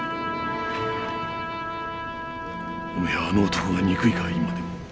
あの男が憎いか今でも。